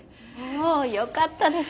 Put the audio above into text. およかったです